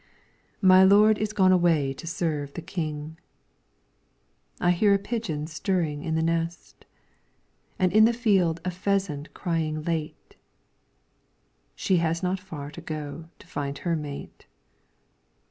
My lord is gone away to serve the King. I hear a pigeon stirring in the nest, And in the field a pheasant crying late. She has not far to go to find her mate.